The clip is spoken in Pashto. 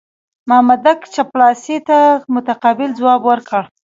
مامدک چپړاسي ته متقابل ځواب ورکړ.